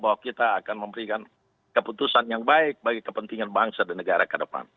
bahwa kita akan memberikan keputusan yang baik bagi kepentingan bangsa dan negara ke depan